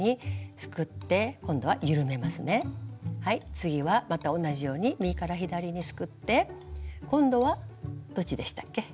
次はまた同じように右から左にすくって今度はどっちでしたっけ？